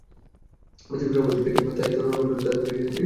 BCB সভাপতির কাছে তাই ঘটনার তদন্ত দাবি করে চিঠি দিয়েছে ক্লাবটি।